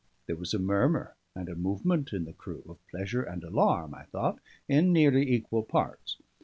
There was a murmur and a movement in the crew, of pleasure and alarm, I thought, in nearly equal parts.